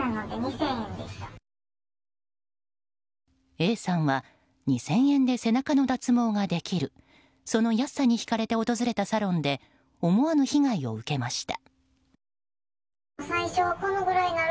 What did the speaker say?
Ａさんは２０００円で背中の脱毛ができるその安さに引かれて訪れたサロンで思わぬ被害を受けました。